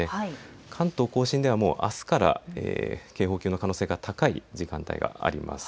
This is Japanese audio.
関東甲信ではあすから警報級の可能性が高い時間帯があります。